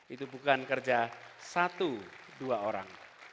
itu bukan kerja satu dua orang